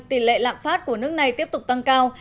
tỷ lệ lạm phát của nước này tiếp tục tăng cao